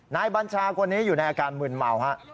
บัญชาคนนี้อยู่ในอาการมืนเมาฮะ